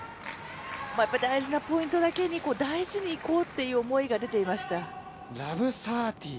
大事なポイントだけに、大事にいこうという思いが出てました。